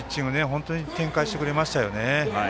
本当に展開してくれました。